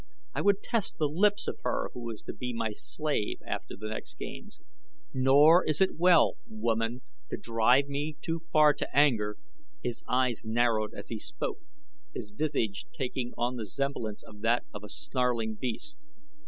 I would test the lips of her who is to be my slave after the next games; nor is it well, woman, to drive me too far to anger." His eyes narrowed as he spoke, his visage taking on the semblance of that of a snarling beast.